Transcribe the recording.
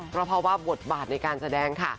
เพราะว่าบทบาทในการแสดงค่ะ